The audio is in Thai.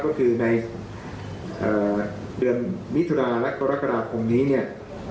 ก็คือในเดือนมิถุนาและกรกฎาคมนี้เนี่ย